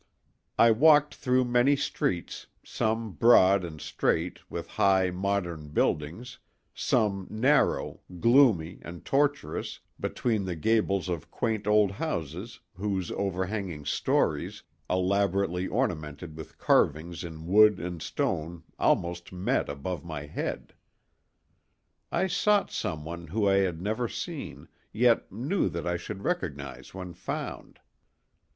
I walked through many streets, some broad and straight with high, modern buildings, some narrow, gloomy, and tortuous, between the gables of quaint old houses whose overhanging stories, elaborately ornamented with carvings in wood and stone, almost met above my head. I sought someone whom I had never seen, yet knew that I should recognize when found.